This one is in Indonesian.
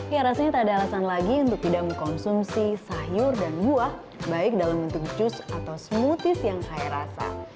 ya rasanya tak ada alasan lagi untuk tidak mengkonsumsi sayur dan buah baik dalam bentuk jus atau smoothies yang saya rasa